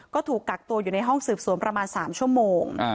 ก็ถูกกักตัวอยู่ในห้องสืบสวนประมาณ๓ชั่วโมง